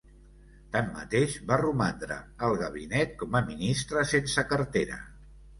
Tanmateix, va romandre al gabinet com a ministre sense cartera.